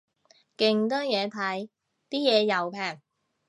勁多嘢睇，啲嘢又平